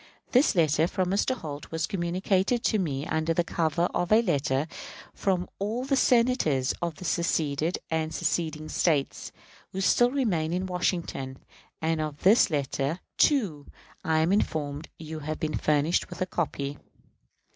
This letter from Mr. Holt was communicated to me under the cover of a letter from all the Senators of the seceded and seceding States, who still remained in Washington; and of this letter, too, I am informed you have been furnished with a copy.